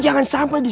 sebuang om hebat